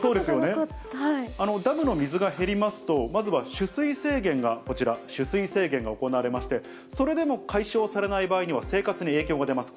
ダムの水が減りますと、まずは取水制限がこちら、取水制限が行われまして、それでも解消されない場合には、生活に影響が出ます。